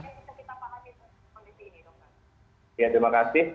apa yang bisa kita pahami terkait kondisi ini dokter